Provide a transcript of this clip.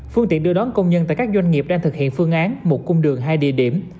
phương tiện đưa đón công nhân tại các doanh nghiệp đang thực hiện phương án một cung đường hai địa điểm